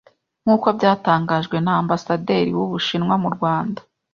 nk'uko byatangajwe na ambasaderi w'Ubushinwa mu Rwanda